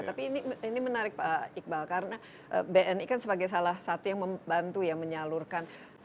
tapi ini menarik pak iqbal karena bni kan sebagai salah satu yang membantu ya menyalurkan